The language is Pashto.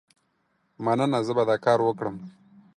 مننه، زه به دا کار وکړم.